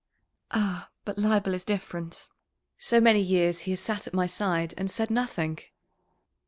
"Ah, but Leibel is different. So many years he has sat at my side and said nothing."